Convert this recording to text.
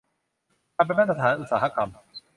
มันเป็นมาตรฐานอุตสาหกรรม